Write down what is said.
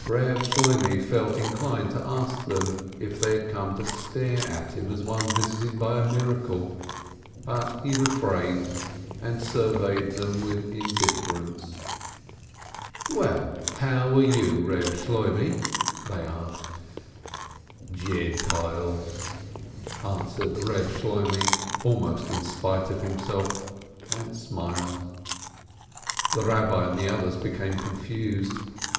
Eeb Shloimeh felt inclined to ask them if they had come to stare at him as one visited by a miracle, but he refrained, and surveyed them with indifference. "Well, how are you, Eeb Shloimeh ?" they asked. "Gentiles!" answered Eeb Shloimeh, almost in spite of himself, and smiled. The Eabbi and the others became confused.